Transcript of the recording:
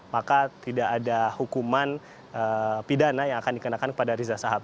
maka tidak ada hukuman pidana yang akan dikenakan kepada riza sahab